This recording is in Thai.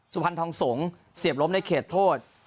สุพรรณทองสงฆ์เสียบล้มในเขตโทษ